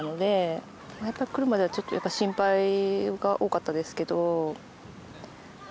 やっぱり来るまではちょっと心配が多かったですけど。